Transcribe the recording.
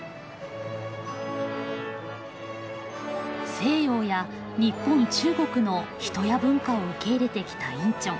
西洋や日本中国の人や文化を受け入れてきたインチョン。